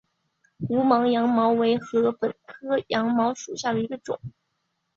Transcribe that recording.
无芒羊茅为禾本科羊茅属下的一个种。